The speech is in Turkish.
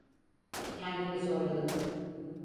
Kendimi zorladım.